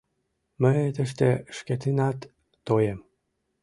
Мый тыште шкетынат тоем.